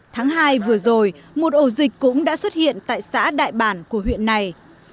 tháng hai vừa rồi một ổ dịch cũng đã xuất hiện tại xã đại bản của huyện này